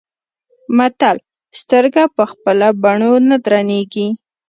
متل : سترګه په خپلو بڼو نه درنيږي.